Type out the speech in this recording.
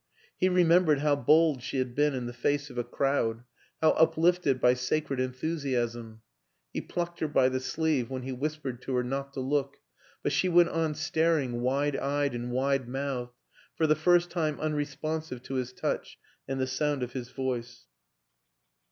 He remembered how bold she had been in the face of a crowd, how uplifted by sacred en thusiasm !... He plucked her by the sleeve when he whispered to her not to look but she went on staring, wide eyed and wide mouthed, for the first time unresponsive to his touch and the sound of his voice.